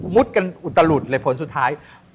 กันอุตลุดเลยผลสุดท้าย